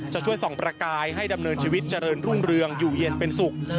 จะช่วยส่องประกายให้ดำเนินชีวิตเจริญรุ่งเรืองอยู่เย็นเป็นสุข